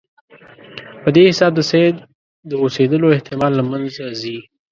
په دې حساب د سید د اوسېدلو احتمال له منځه ځي.